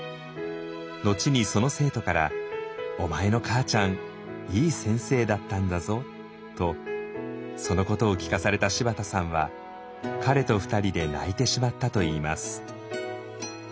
後にその生徒から「お前の母ちゃんいい先生だったんだぞ」とそのことを聞かされた柴田さんは彼と２人で泣いてしまったといいます。